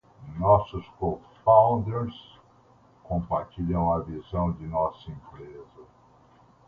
Nossos cofounders compartilham a visão de nossa empresa.